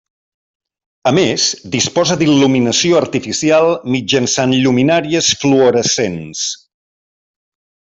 A més disposa d'il·luminació artificial mitjançant lluminàries fluorescents.